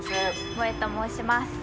モエと申します。